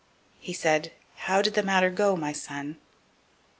He said, How went the matter, my son?